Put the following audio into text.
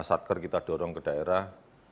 satker kita dorong ke daerah